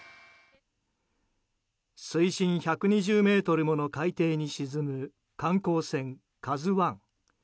水深１２０ｍもの海底に沈む観光船「ＫＡＺＵ１」。